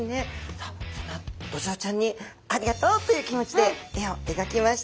さあそんなドジョウちゃんにありがとうという気持ちで絵を描きました。